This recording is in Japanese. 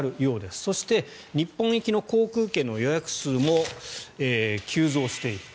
そして日本行きの航空券の予約数も急増している。